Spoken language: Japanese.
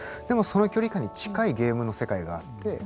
でもその距離感に近いゲームの世界があって。